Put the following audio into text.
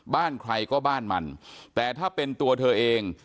บ้านใครก็บ้านมันแต่ถ้าเป็นตัวเธอเอง